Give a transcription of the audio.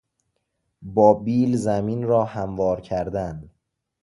با بیل زمین را هموار کردن